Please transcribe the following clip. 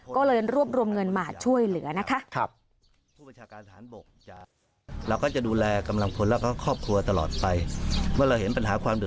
ก็เลยรวบรวมเงินมาช่วยเหลือนะคะ